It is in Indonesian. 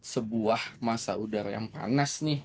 sebuah masa udara yang panas nih